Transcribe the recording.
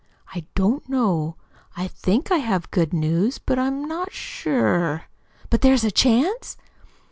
"I don't know. I THINK I have good news, but I'm not sure." "But there's a chance?"